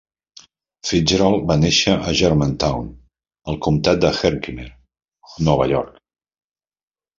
Fitzgerald va néixer a Germantown, al comtat de Herkimer, Nova York.